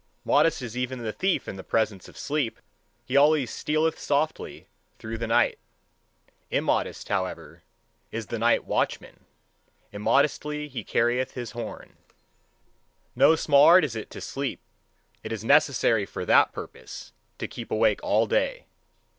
Modest is even the thief in presence of sleep: he always stealeth softly through the night. Immodest, however, is the night watchman; immodestly he carrieth his horn. No small art is it to sleep: it is necessary for that purpose to keep awake all day.